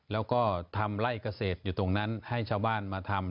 แล้วก็ทำไล่เกษตรอยู่ตรงนั้นให้ชาวบ้านมาทำ